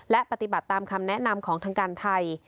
และปฏิบัติตามคำแนะนำของทางการไทย